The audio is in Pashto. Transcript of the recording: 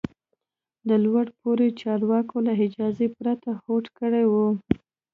د لوړ پوړو چارواکو له اجازې پرته هوډ کړی و.